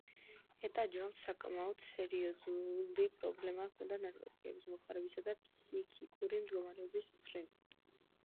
ეტა ჯონს საკმაოდ სერიოზული პრობლემა ჰქონდა ნარკოტიკების მოხმარებისა და ფსიქიკური მდგომარეობის მხრივ.